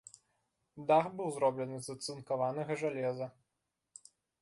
Дах быў зроблены з ацынкаванага жалеза.